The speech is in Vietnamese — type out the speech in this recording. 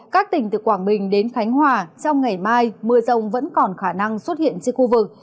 các tỉnh từ quảng bình đến khánh hòa trong ngày mai mưa rông vẫn còn khả năng xuất hiện trên khu vực